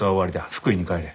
福井に帰れ。